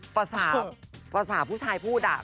ประสาปผู้ชายพูด